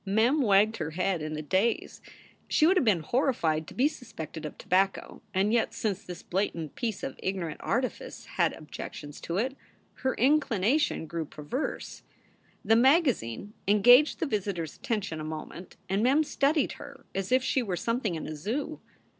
Mem wagged her head in a daze. She would have been horrified to be suspected of tobacco, and yet since this blatant piece of ignorant artifice had objections to it, her inclination grew perverse. The magazine engaged the visitor s attention a moment, and Mem studied her as if she were something in a zoo.